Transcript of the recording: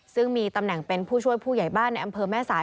ซึ่งมีตำแหน่งเป็นผู้ช่วยผู้ใหญ่บ้านในอำเภอแม่สาย